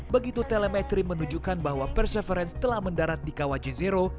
begitu telemetri menunjukkan bahwa perseverance telah mendarat di kawaja zero